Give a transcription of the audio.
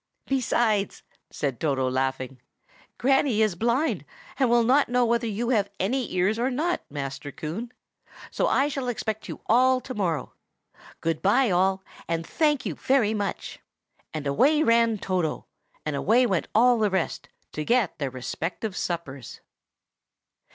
"Besides," said Toto, laughing, "Granny is blind, and will not know whether you have any ears or not, Master Coon. So I shall expect you all to morrow. Good by, all, and thank you very much." And away ran Toto, and away went all the rest to get their respective suppers.